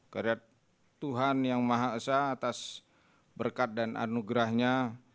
karya tuhan yang maha esa atas berkat dan anugerahnya